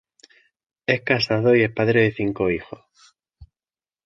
Es casado y es padre de cinco hijos.